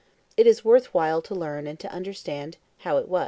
It is worth while to learn and to understand how it was.